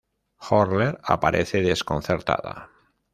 Horler aparece desconcertada.